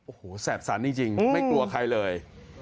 โอ้โหแสบสันจริงไม่กลัวใครเลย